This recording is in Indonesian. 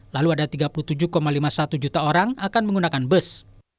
lalu ada tiga puluh tujuh lima puluh satu juta orang akan menggunakan bus